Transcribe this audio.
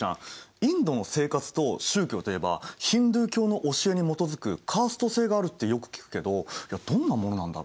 インドの生活と宗教といえばヒンドゥー教の教えに基づくカースト制があるってよく聞くけどどんなものなんだろう？